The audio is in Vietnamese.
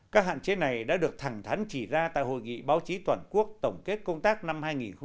các hạn chế này đã được thẳng thắn chỉ ra tại hội nghị báo chí toàn quốc tổng kết công tác năm hai nghìn một mươi chín